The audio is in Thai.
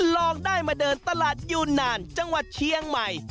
ลองได้มาเดินตลาดยูนนานจังหวัดเชียงใหม่